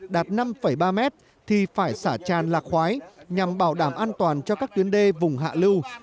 đạt năm ba mét thì phải xả tràn lạc khoái nhằm bảo đảm an toàn cho các tuyến đê vùng hạ lưu